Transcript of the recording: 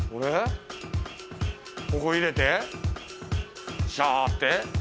ここに入れてシャって？